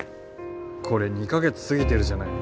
これ２か月過ぎてるじゃない。